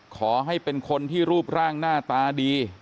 ขอให้เป็นคนที่รูปร่างหน้าตาดี